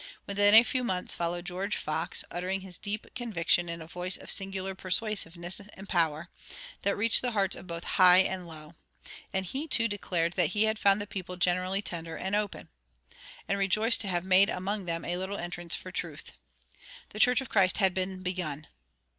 Within a few months followed George Fox, uttering his deep convictions in a voice of singular persuasiveness and power, that reached the hearts of both high and low. And he too declared that he had found the people "generally tender and open," and rejoiced to have made among them "a little entrance for truth." The church of Christ had been begun.